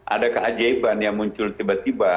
ada keajaiban yang muncul tiba tiba